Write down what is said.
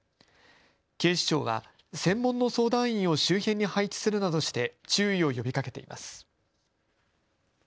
警視庁は専門の相談員を周辺に配置するなどして注意を呼びかけています。